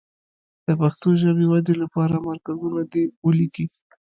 د پښتو ژبې ودې لپاره مرکزونه دې ولیکي.